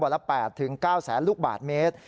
ละ๘๙๐๐ลูกบาทเมตร